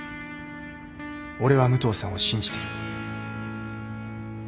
俺は武藤さんを信じてる